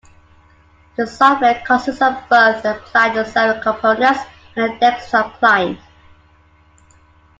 The software consists of both client and server components, and a desktop client.